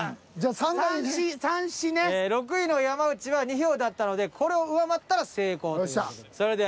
だから６位の山内は２票だったのでこれを上回ったら成功という事です。